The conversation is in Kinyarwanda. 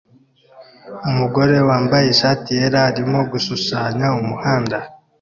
Umugore wambaye ishati yera arimo gushushanya umuhanda